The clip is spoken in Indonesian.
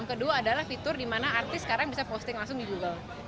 kedua adalah fitur dimana artis sekarang bisa posting langsung di google